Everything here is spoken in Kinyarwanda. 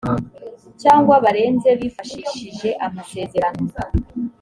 cyangwa barenze bifashishije amasezerano